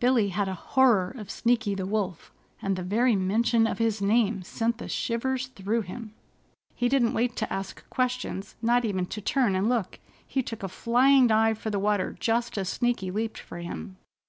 Billy had a horror of Sneaky the Wolf, and the very mention of his name sent the shivers through him. He didn't wait to ask questions, not even to turn and look. He took a flying dive for the water just as Sneaky leaped for him.